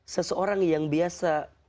seseorang yang biasa